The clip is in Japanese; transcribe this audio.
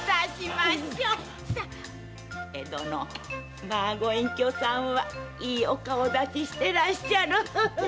まあ江戸の御隠居さんはいいお顔立ちしてらっしゃる！